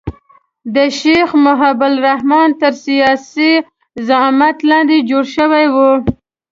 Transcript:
د شیخ مجیب الرحمن تر سیاسي زعامت لاندې جوړ شوی وو.